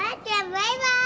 バイバイ。